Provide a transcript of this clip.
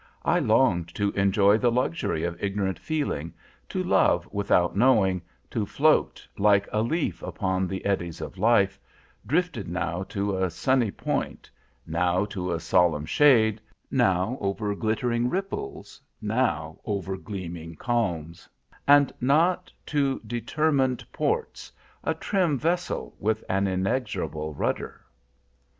I longed to enjoy the luxury of ignorant feeling, to love without knowing, to float like a leaf upon the eddies of life, drifted now to a sunny point, now to a solemn shade—now over glittering ripples, now over gleaming calms,—and not to determined ports, a trim vessel with an inexorable rudder.